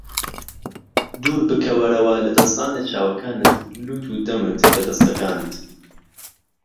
دوربکەوەرەوە لە دەستدان لە چاوەکانت، لوت و دەمت بە دەستەکانت.